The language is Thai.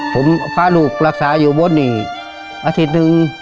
ผมพาลูกรักษาอยู่บนนี่อาทิตย์หนึ่ง